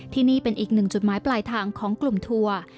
ที่นี่เป็นอีกหนึ่งจุดหมายปลายทางของกลุ่มทัวร์